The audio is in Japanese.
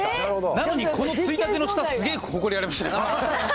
なのに、このついたての下すげーほこりありましたけど。